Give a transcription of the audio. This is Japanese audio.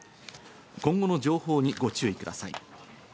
今後の情報にご注意ください。